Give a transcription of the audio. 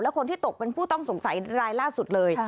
คนที่ตกเป็นผู้ต้องสงสัยรายล่าสุดเลย